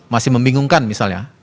masih membingungkan misalnya